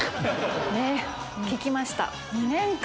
ねっ聞きました。